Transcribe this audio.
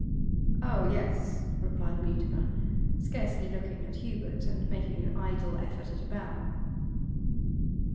'Oh yes,' replied Mutimer, scarcely looking at Hubert, and making an idle effort at a bow.